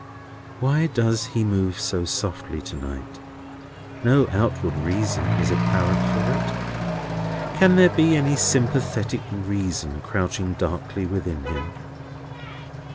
Why does he move so softly to night? No outward reason is apparent for it. Can there be any sympathetic reason crouching darkly within him?